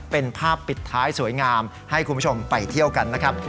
เป็นภาพปิดท้ายสวยงามให้คุณผู้ชมไปเที่ยวกันนะครับ